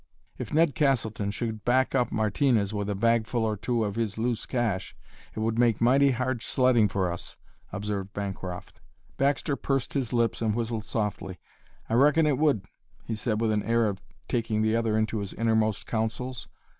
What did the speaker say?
"If Ned Castleton should back up Martinez with a bagful or two of his loose cash it would make mighty hard sledding for us," observed Bancroft. Baxter pursed his lips and whistled softly. "I reckon it would!" he said, with an air of taking the other into his innermost counsels.